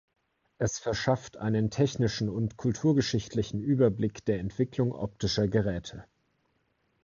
Es verschafft einen technischen und kulturgeschichtlichen Überblick der Entwicklung optischer Geräte.